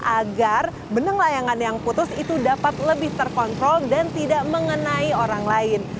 agar benang layangan yang putus itu dapat lebih terkontrol dan tidak mengenai orang lain